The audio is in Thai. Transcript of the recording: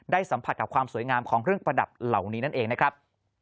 สัมผัสกับความสวยงามของเครื่องประดับเหล่านี้นั่นเองนะครับ